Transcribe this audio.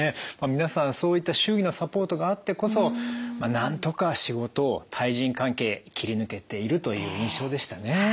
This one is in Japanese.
皆さんそういった周囲のサポートがあってこそなんとか仕事対人関係切り抜けているという印象でしたね。